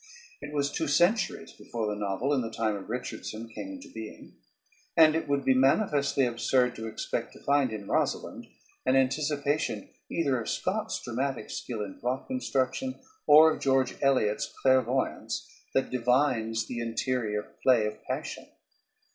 It was two centuries before the novel, in the time of Richardson, came into being; and it would be manifestly absurd to expect to find in "Rosalynde" an anticipation either of Scott's dramatic skill in plot construction or of George Eliot's clairvoyance that divines the interior play of passion.